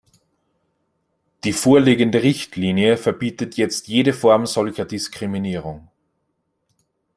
Die vorliegende Richtlinie verbietet jetzt jede Form solcher Diskriminierung.